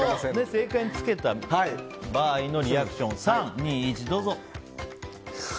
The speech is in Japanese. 正解につけた場合のリアクション３、２、１、どうぞ！